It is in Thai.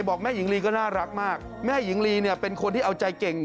บอกแม่หญิงลีก็น่ารักมากแม่หญิงลีเนี่ยเป็นคนที่เอาใจเก่ง